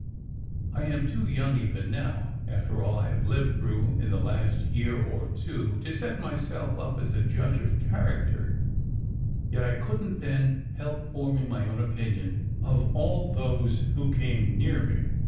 I am too young, even now, after all I have lived through in the last year or two, to set myself up as a judge of character; yet I couldn t then help forming my own opinion of all those who came near me.